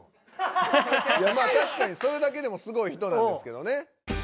まあ確かにそれだけでもすごい人なんですけどね。